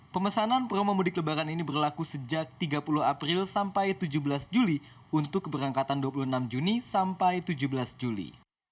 pemesanan promo mudik lebaran ini berlaku sejak tiga puluh april sampai tujuh belas juli untuk keberangkatan dua puluh enam juni sampai tujuh belas juli